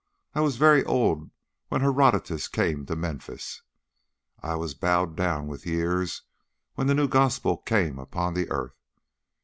I was very old when Herodotus came to Memphis. I was bowed down with years when the new gospel came upon earth.